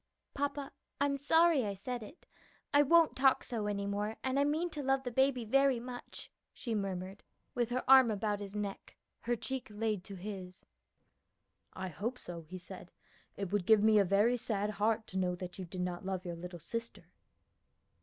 "Papa, I'm sorry I said it. I won't talk so any more; and I mean to love the baby very much," she murmured with her arm about his neck, her cheek laid to his. "I hope so," he said; "it would give me a very sad heart to know that you did not love your little sister.